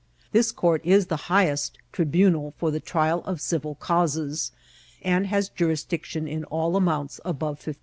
This court is the highest tribunal for the trial of civil causes, and has jurisdiction of all amounts above £15.